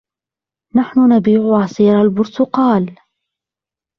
نحن نبيع عصير البرتقال.